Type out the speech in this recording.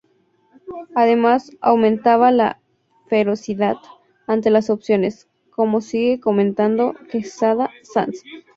Además aumentaba la "ferocidad" ante los oponentes, como sigue comentando Quesada Sanz.